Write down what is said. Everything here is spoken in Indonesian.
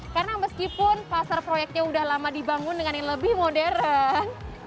karena meskipun pasar proyeknya udah lama dibangun dengan yang lebih modern